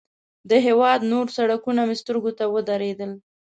د هېواد نور سړکونه مې سترګو ته ودرېدل.